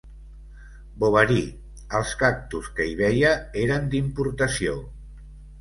Bovary: els cactus que hi veia eren d'importació.